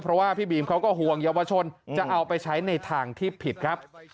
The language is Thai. เพราะว่าพี่บีมเขาก็ห่วงเยาวชนจะเอาไปใช้ในทางที่ผิดครับ